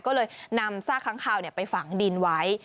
ก็เลยนำซากค้างคาวไปฝังดินไว้